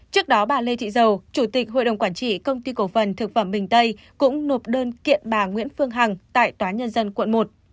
trước đó bà lê thị dầu chủ tịch hội đồng quản trị công ty cổ phần thực phẩm bình tây cũng nộp đơn kiện bà nguyễn phương hằng tại tòa nhân dân quận một